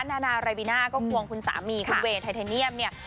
นานารายบิน่าก็ควงคุณสามีคุณเวย์ไทเทเนียมเนี่ย